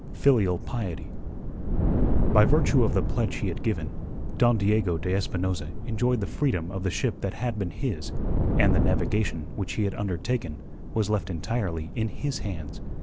FILIAL PIETY By virtue of the pledge he had given, Don Diego de Espinosa enjoyed the freedom of the ship that had been his, and the navigation which he had undertaken was left entirely in his hands.